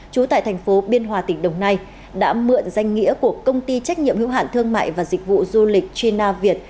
trú tại thành phố biên hòa tỉnh đồng nai đã mượn danh nghĩa của công ty trách nhiệm hữu hạn thương mại và dịch vụ du lịch china việt